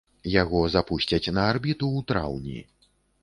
Яго запусцяць на арбіту ў траўні.